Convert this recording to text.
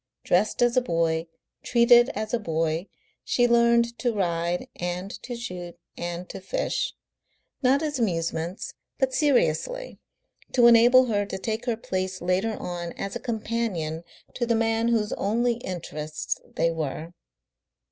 Dressed as a boy, treated as a boy, she learned to ride and to shoot and to fish not as amusements, but seriously, to enable her to take her place later on as a companion to the man whose only interests they were.